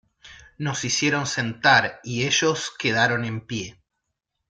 nos hicieron sentar, y ellos quedaron en pie.